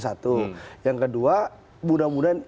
satu yang kedua mudah mudahan